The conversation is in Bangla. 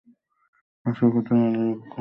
আসল কথা, নলিনাক্ষ আমার পক্ষে একটু বেশি দুর্বোধ।